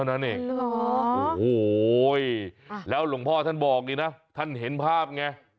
นั่นเองโอ้โหแล้วหลวงพ่อท่านบอกเลยนะท่านเห็นภาพไง